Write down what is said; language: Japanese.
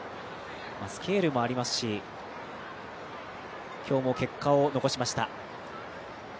スケールもありますし今日も結果を残しました。